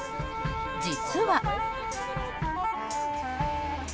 実は。